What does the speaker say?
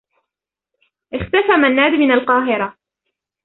اختفى منّاد من القاهرة.